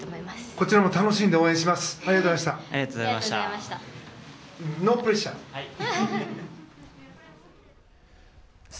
こちらも楽しんで応援します！